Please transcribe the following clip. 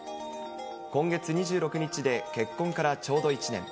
今月２６日で結婚からちょうど１年。